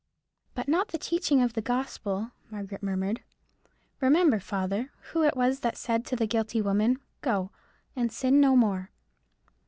"But not the teaching of the gospel," Margaret murmured. "Remember, father, who it was that said to the guilty woman, Go, and sin no more.'"